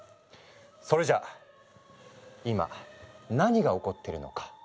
それじゃあ今何が起こってるのか？